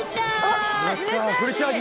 あっフルチャージ！